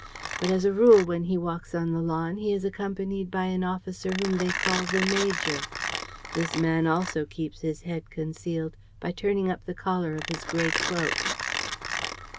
But, as a rule, when he walks on the lawn he is accompanied by an officer whom they call the major. This man also keeps his head concealed, by turning up the collar of his gray cloak.